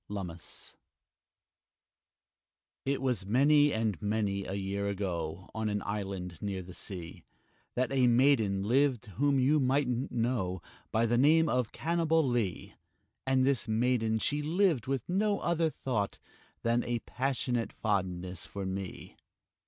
LUMMIS It was many and many a year ago, On an island near the sea, That a maiden lived whom you mightn't know By the name of Cannibalee; And this maiden she lived with no other thought Than a passionate fondness for me.